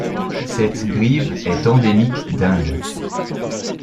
Cette grive est endémique d'Inde.